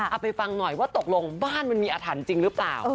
เอาไปฟังหน่อยว่าตกลงบ้านมันมีอาถรรพ์จริงหรือเปล่า